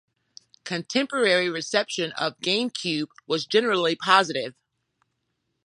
Contemporary reception of the GameCube was generally positive.